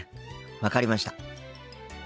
分かりました。